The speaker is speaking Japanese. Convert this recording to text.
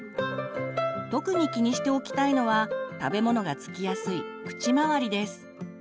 特に気にしておきたいのは食べ物が付きやすい口周りです。